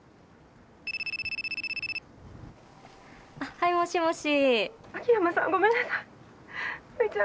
はいもしもし。